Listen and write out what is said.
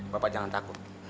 bapak jangan takut